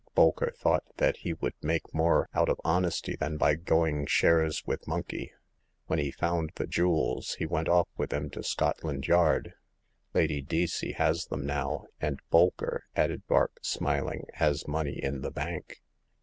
Bolker thought that he would make more out of honesty than by going shares with Monkey. When he found the jewels, he went off with them to Scotland Yard. Lady Dea cey has them now, and Bolkers,*' added Vark, smiling, has money in the bank."